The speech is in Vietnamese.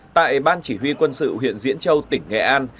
tại ban chỉ huy quân sự huyện diễn châu tỉnh nghệ an